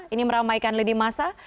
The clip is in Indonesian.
ini meramaikan lini masa